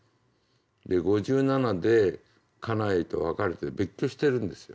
で５７で家内と別れて別居してるんですよ。